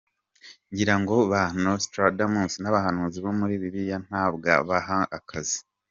Ngira ngo ba Nostradamus n’abahanuzi bo muri Bibiliya ntawabahaga akazi.